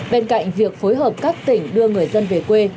bên cạnh việc phối hợp các tỉnh đưa người dân về quê